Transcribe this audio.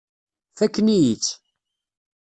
Fakken-iyi-tt.